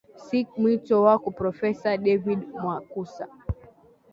sic mwito wako profesa david mwaqusa